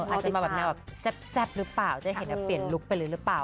อาจจะมาแบบแนวแบบแซ่บหรือเปล่าจะเห็นเปลี่ยนลุคไปเลยหรือเปล่า